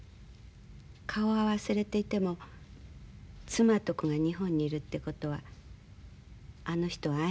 顔は忘れていても妻と子が日本にいるってことはあの人を安心させてるはずよ。